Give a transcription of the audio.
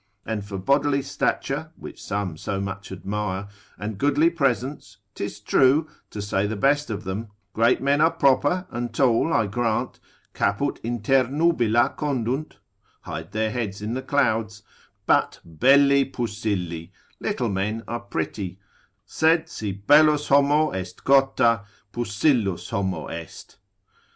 And for bodily stature which some so much admire, and goodly presence, 'tis true, to say the best of them, great men are proper, and tall, I grant,—caput inter nubila condunt, (hide their heads in the clouds); but belli pusilli little men are pretty: Sed si bellus homo est Cotta, pusillus homo est.